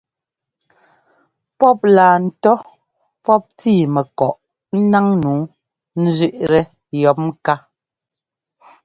Pɔ́p laa ńtɔ́ pɔ́p tíi mɛkɔꞌ ńnáŋ nǔu ńzẅíꞌtɛ yɔ̌p ŋká.